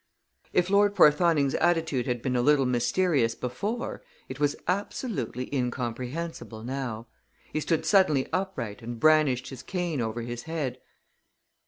If Lord Porthoning's attitude had been a little mysterious before it was absolutely incomprehensible now. He stood suddenly upright and brandished his cane over his head.